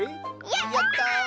やった！